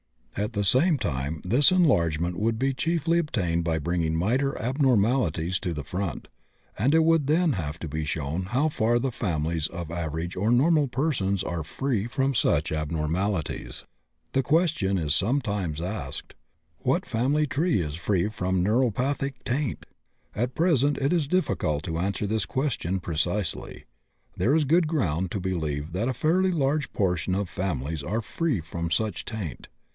At the same time this enlargement would be chiefly obtained by bringing minor abnormalities to the front, and it would then have to be shown how far the families of average or normal persons are free from such abnormalities. The question is sometimes asked: What family is free from neuropathic taint? At present it is difficult to answer this question precisely. There is good ground to believe that a fairly large proportion of families are free from such taint.